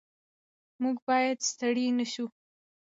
موږ باید ستړي نه شو.